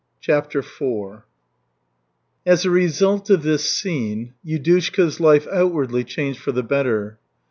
CHAPTER IV As a result of this scene Yudushka's life outwardly changed for the better.